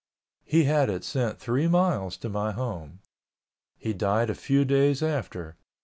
He had it sent three miles to my home. He died a few days after.